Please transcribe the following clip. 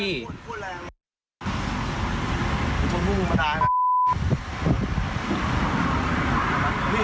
ไม่ได้เก่าครับพี่